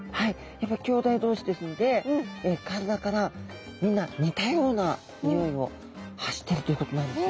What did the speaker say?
やっぱりきょうだい同士ですので体からみんな似たようなにおいを発してるということなんですね。